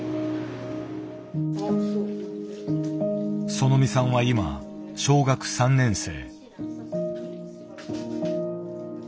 そのみさんは今小学３年生。